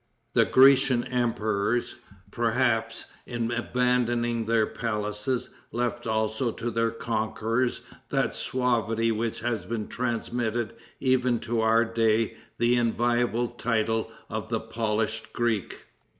The Grecian emperors, perhaps, in abandoning their palaces, left also to their conquerors that suavity which has transmitted even to our day the enviable title of the "polished Greek."